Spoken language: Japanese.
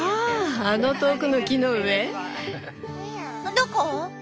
どこ？